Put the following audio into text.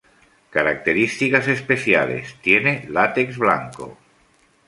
Características especiales: Tiene látex blanco.